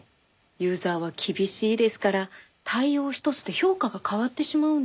ユーザーは厳しいですから対応ひとつで評価が変わってしまうんです。